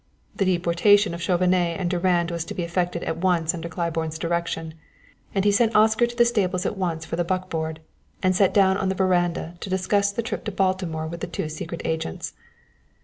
The deportation of Chauvenet and Durand was to be effected at once under Claiborne's direction, and he sent Oscar to the stables for the buckboard and sat down on the veranda to discuss the trip to Baltimore with the two secret agents.